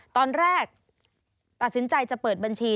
ตอนแรกตัดสินใจจะเปิดบัญชี